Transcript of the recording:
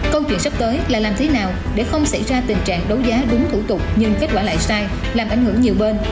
câu chuyện sắp tới là làm thế nào để không xảy ra tình trạng đấu giá đúng thủ tục nhưng kết quả lại sai làm ảnh hưởng nhiều bên